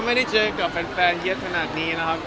ไม่ได้เจอกับแฟนเยอะขนาดนี้